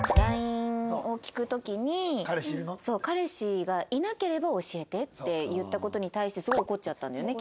ＬＩＮＥを聞く時に彼氏がいなければ教えてって言った事に対してすごい怒っちゃったんだよね